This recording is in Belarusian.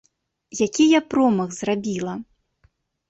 Які я промах зрабіла!